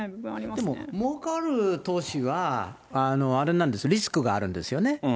でももうかる投資は、あれなんですよ、リスクがあるんですよね。